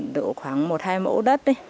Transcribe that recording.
được khoảng một hai mẫu đất ấy